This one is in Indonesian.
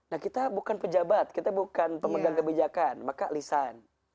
nah kita bukan pejabat kita bukan pemegang kebijakan maka lisan